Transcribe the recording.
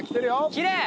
きれい。